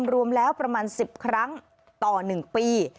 รวมแล้วประมาณ๑๐ครั้งต่อ๑ปี